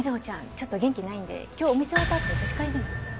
ちょっと元気ないんで今日お店終わったあと女子会でも。